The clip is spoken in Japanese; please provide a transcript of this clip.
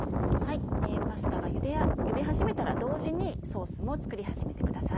パスタがゆで始めたら同時にソースも作り始めてください。